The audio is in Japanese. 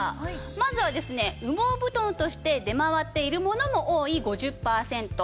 まずはですね羽毛布団として出回っているものも多い５０パーセント。